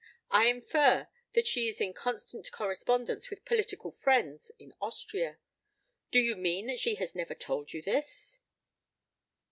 I infer that she is in constant correspondence with political friends in Austria. Do you mean that she has never told you this?"